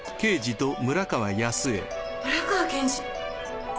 村川検事。